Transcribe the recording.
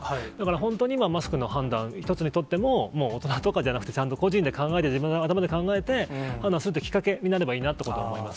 本当に今、マスクの判断一つにとっても、もう大人とかではなくて、ちゃんと個人で考えて、自分の頭で考えて判断するってきっかけになればいいなと思います。